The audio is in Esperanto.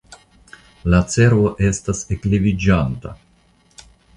La cervo estas ekleviĝanta.